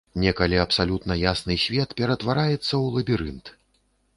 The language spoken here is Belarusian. Некалі абсалютна ясны свет ператвараецца ў лабірынт.